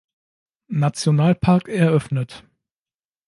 Nationalpark eröffnet.